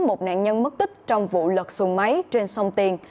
một nạn nhân mất tích trong vụ lật xuồng máy trên sông tiền